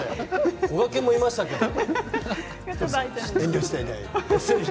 こがけんもいましたけれど。